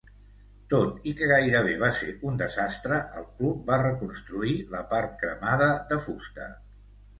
Tot i que gairebé va ser un desastre, el club va reconstruir la part cremada de fusta.